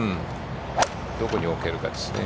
どこに置けるかですね。